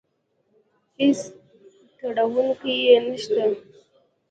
هېڅ تروړونکی يې نشته.